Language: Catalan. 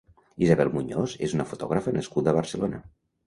Isabel Muñoz és una fotògrafa nascuda a Barcelona.